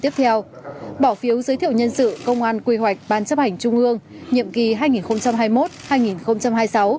tiếp theo bỏ phiếu giới thiệu nhân sự công an quy hoạch bán chấp hành trung ương nhiệm kỳ hai nghìn hai mươi một hai nghìn hai mươi sáu